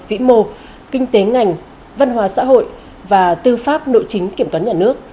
vĩ mô kinh tế ngành văn hóa xã hội và tư pháp nội chính kiểm toán nhà nước